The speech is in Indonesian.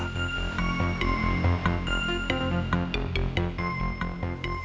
ini teror siapa